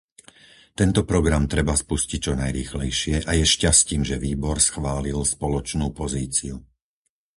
Tento program treba spustiť čo najrýchlejšie a je šťastím, že výbor schválil spoločnú pozíciu.